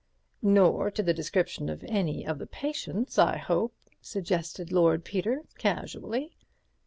"Nor to the description of any of the patients, I hope," suggested Lord Peter casually.